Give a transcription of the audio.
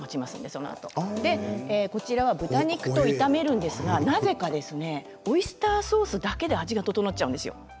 それからトマトジュースは豚肉と炒めるんですがなぜかオイスターソースだけで味が調っちゃうんです。